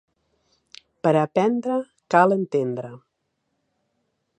Per a aprendre cal entendre.